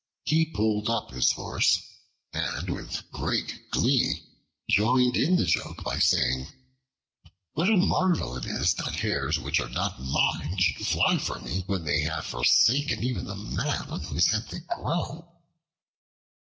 He pulled up his horse, and with great glee joined in the joke by saying, "What a marvel it is that hairs which are not mine should fly from me, when they have forsaken even the man on whose head they grew."